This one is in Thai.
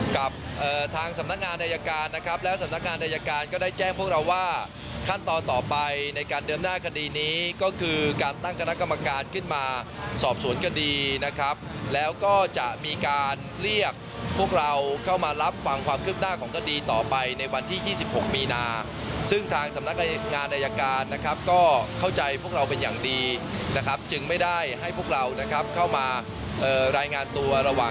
กับทางสำนักงานอายการนะครับแล้วสำนักงานอายการก็ได้แจ้งพวกเราว่าขั้นตอนต่อไปในการเดินหน้าคดีนี้ก็คือการตั้งคณะกรรมการขึ้นมาสอบสวนคดีนะครับแล้วก็จะมีการเรียกพวกเราเข้ามารับฟังความคืบหน้าของคดีต่อไปในวันที่๒๖มีนาซึ่งทางสำนักงานอายการนะครับก็เข้าใจพวกเราเป็นอย่างดีนะครับจึงไม่ได้ให้พวกเรานะครับเข้ามารายงานตัวระ